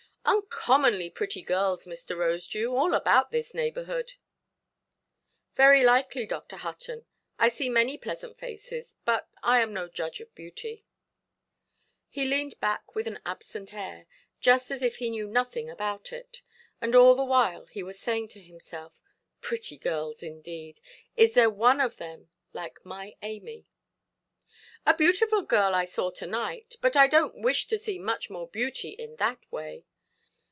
"Uncommonly pretty girls, Mr. Rosedew, all about this neighbourhood". "Very likely, Dr. Hutton; I see many pleasant faces; but I am no judge of beauty". He leaned back with an absent air, just as if he knew nothing about it. And all the while he was saying to himself, "Pretty girls indeed! Is there one of them like my Amy"? "A beautiful girl I saw to–night. But I donʼt wish to see much more beauty in that way.